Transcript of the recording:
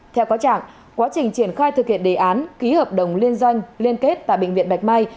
theo có trạng quá trình triển khai thực hiện đề án ký hợp đồng liên doanh liên kết tại bệnh viện bạch mai